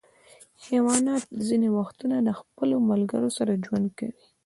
حیوانات ځینې وختونه د خپلو ملګرو سره ژوند کوي.